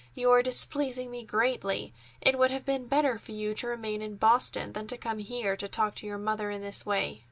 You are displeasing me greatly. It would have been better for you to remain in Boston than to come here to talk to your mother in this way."